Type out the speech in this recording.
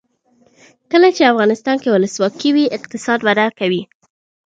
کله چې افغانستان کې ولسواکي وي اقتصاد وده کوي.